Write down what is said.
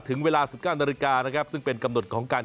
ถึงเวลา๑๙นาฬิกานะครับซึ่งเป็นกำหนดของการ